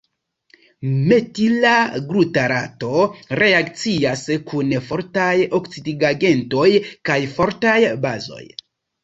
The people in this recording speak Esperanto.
Metila glutarato reakcias kun fortaj oksidigagentoj kaj fortaj bazoj.